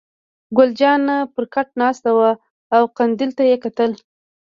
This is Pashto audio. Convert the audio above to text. ګل جانه پر کټ ناسته وه او قندیل ته یې کتل.